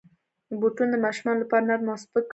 بوټونه د ماشومانو لپاره نرم او سپک وي.